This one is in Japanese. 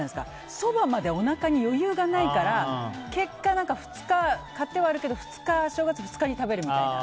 そばまでおなかに余裕がないから結果、買ってはあるけど正月２日に食べるみたいな。